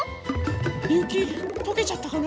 ゆきとけちゃったかな？